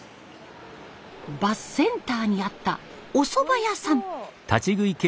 バスセンターにあったおそば屋さん。